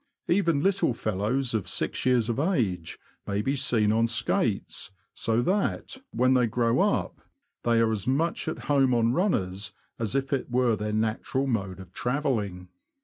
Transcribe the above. Even little fellows of six years of age may be seen on skates ; so that, when they grow up, they are as much at home on runners as if it were their natural mode of travelling.